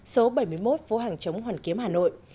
số bảy mươi một phố hàng chống hoàn kiếm hà nội